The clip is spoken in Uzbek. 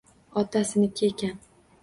Otasiniki ekan